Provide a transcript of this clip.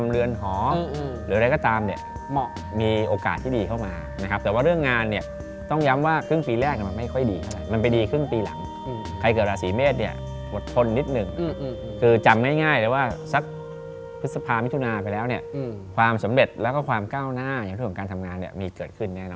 เรือนหอหรืออะไรก็ตามเนี่ยมีโอกาสที่ดีเข้ามานะครับแต่ว่าเรื่องงานเนี่ยต้องย้ำว่าครึ่งปีแรกมันไม่ค่อยดีเท่าไหร่มันไปดีครึ่งปีหลังใครเกิดราศีเมษเนี่ยอดทนนิดหนึ่งคือจำง่ายเลยว่าสักพฤษภามิถุนาไปแล้วเนี่ยความสำเร็จแล้วก็ความก้าวหน้าอย่างเรื่องของการทำงานเนี่ยมีเกิดขึ้นแน่นอ